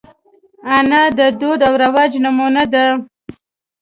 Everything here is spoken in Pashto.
انا د دود او رواج نمونه ده